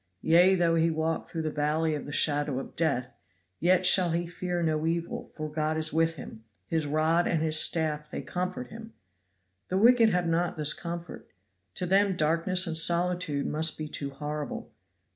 'Yea, though he walk through the valley of the shadow of death, yet shall he fear no evil, for God is with him; his rod and his staff they comfort him.' The wicked have not this comfort. To them darkness and solitude must be too horrible.